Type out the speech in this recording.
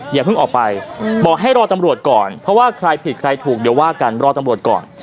อย่าเพิ่งออกไปบอกให้รอตำรวจก่อนเพราะว่าใครผิดใครถูกเดี๋ยวว่ากันรอตำรวจก่อน